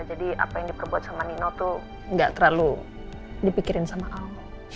apa yang diperbuat sama nino tuh gak terlalu dipikirin sama allah